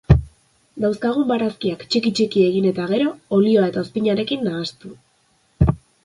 Dauzkagun barazkiak txiki txiki egin eta gero olioa eta ozpinarekin nahastu.